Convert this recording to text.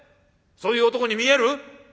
そういう男に見える？